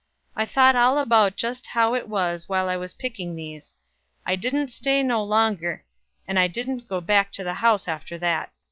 I thought all about just how it was while I was picking these. I didn't stay no longer, and I didn't go back to the house after that.